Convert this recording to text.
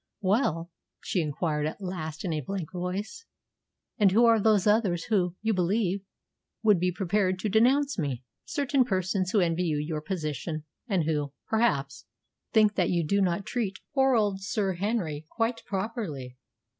"Well," she inquired at last in a blank voice, "and who are those others who, you believe, would be prepared to denounce me?" "Certain persons who envy you your position, and who, perhaps, think that you do not treat poor old Sir Henry quite properly."